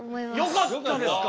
よかったですか。